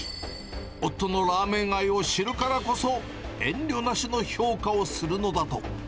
夫のラーメン愛を知るからこそ、遠慮なしの評価をするのだと。